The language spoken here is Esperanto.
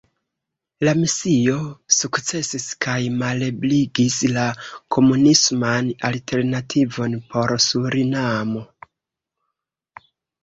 La misio sukcesis kaj malebligis la komunisman alternativon por Surinamo.